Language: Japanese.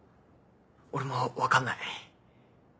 俺も分かんない。